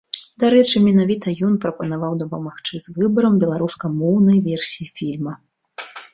Дарэчы, менавіта ён прапанаваў дапамагчы з вырабам беларускамоўнай версіі фільма.